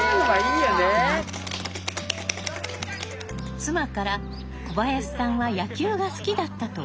妻から小林さんは野球が好きだったと聞いていた松本さん。